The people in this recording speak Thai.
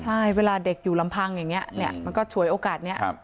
ใช่เวลาเด็กอยู่ลำพังอย่างเงี้ยเนี่ยมันก็ชวยโอกาสเนี้ยครับ